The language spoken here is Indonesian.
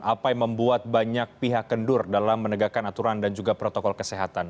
apa yang membuat banyak pihak kendur dalam menegakkan aturan dan juga protokol kesehatan